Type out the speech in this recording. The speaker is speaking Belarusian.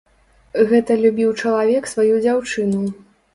Гэта любіў чалавек сваю дзяўчыну.